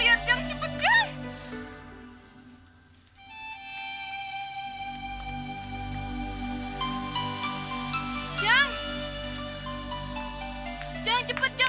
biar kamu cepat tertidur